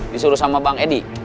disuruh sama bang edi